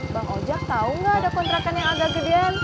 bang ojak tau gak ada kontrakan yang agak gedean